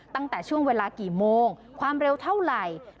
ตั้งแต่ช่วงเวลากี่โมงความเร็วเท่าไหร่